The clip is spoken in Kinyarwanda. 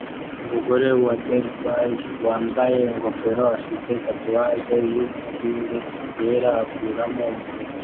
Umugore wa derby wambaye ingofero afite tatouage yumuhinde wera akuramo umuheto